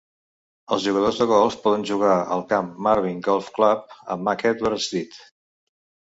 Els jugadors de golf poden jugar al camp Merbein Golf Club a McEdward Street.